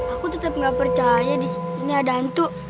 aku tetep nggak percaya di sini ada hantu